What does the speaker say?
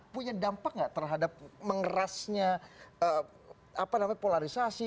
punya dampak nggak terhadap mengerasnya polarisasi